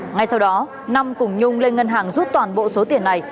ngay sau đó năm cùng nhung lên ngân hàng rút toàn bộ số tiền này